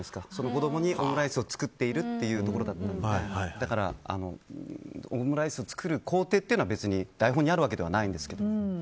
子供にオムライスを作っているというところでだから、オムライス作る工程は別に台本にあるわけではないんです。